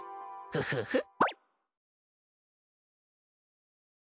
フフフッ。